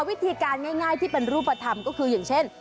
วิธีการง่ายที่เป็นรูปธรรมก็คืออย่างเช่น